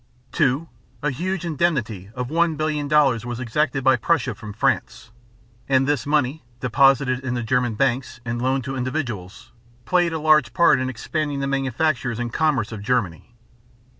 (2) A huge indemnity of one billion dollars was exacted by Prussia from France, and this money, deposited in the German banks and loaned to individuals, played a large part in expanding the manufactures and commerce of Germany.